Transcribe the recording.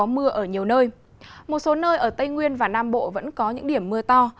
mưa một số nơi ở tây nguyên và nam bộ vẫn có những điểm mưa to